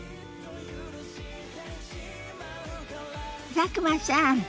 佐久間さん